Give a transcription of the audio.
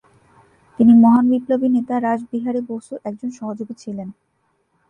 তিনি মহান বিপ্লবী নেতা রাসবিহারী বসুর একজন সহযোগী ছিলেন।